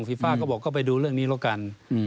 ฟ่าก็บอกก็ไปดูเรื่องนี้แล้วกัน